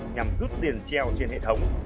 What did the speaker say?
nhằm rút tiền treo trên hệ thống